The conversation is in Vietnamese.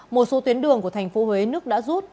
một số tuyến đường của thành phố huế nước đã rút